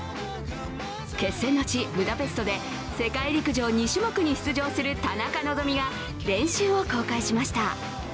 決戦の地・ブダペストで世界陸上２種目に出場する田中希実が練習を公開しました。